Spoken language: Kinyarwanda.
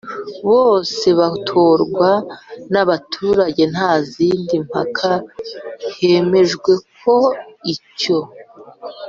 bose batorwa n abaturage nta zindi mpaka Hemejwe ko icyo